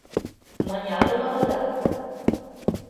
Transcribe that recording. Манярын ылыда?